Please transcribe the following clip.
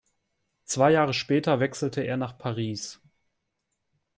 Zwei Jahre später wechselte er nach Paris.